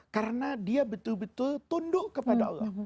karena dia betul betul tunduk kepada allah